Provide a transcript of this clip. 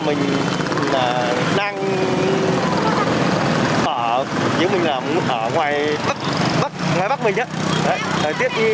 mình đang ở ngoài bắc mình thời tiết như là giống ngoài bắc mình